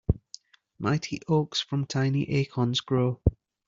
Mighty oaks from tiny acorns grow.